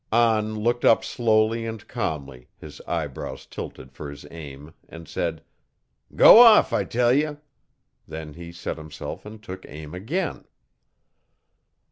An looked up slowly and calmly, his eyebrows tilted for his aim, and said, 'Go off I tell ye.' Then he set himself and took aim again.